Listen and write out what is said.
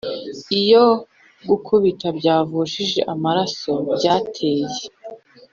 Iyo gukubita byavushije amaraso byateye